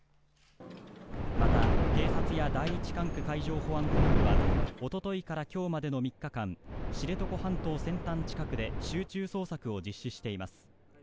また警察や第１管区海上保安本部はおとといから今日までの３日間知床半島先端近くで集中捜索を実施しています。